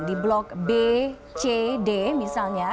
di blok b c d misalnya